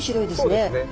そうですね。